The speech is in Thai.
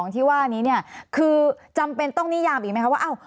๖๘๒ที่ว่านี้คือจำเป็นต้องนิยามอีกไหมครับว่า